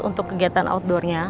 untuk kegiatan outdoornya